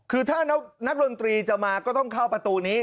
คือถ้านักดนตรีจะมาก็ต้องเข้าประตูนี้